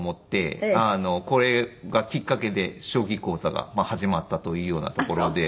これがきっかけで将棋講座が始まったというようなところで。